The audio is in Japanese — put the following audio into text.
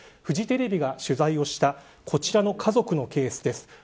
フジテレビが取材をしたこちらの家族のケースです。